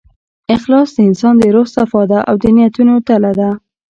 اخلاص د انسان د روح صفا ده، او د نیتونو تله ده.